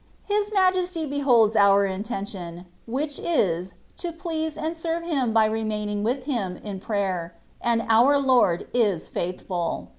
His Majesty beholds our intention, which is, to please and serve Him by remaining with Him in prayer, and our Lord is faithful.